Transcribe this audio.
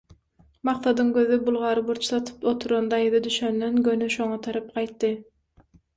Maksadyň gözi bulgar burç satyp oturan daýza düşenden göni şoňa tarap gaýtdy.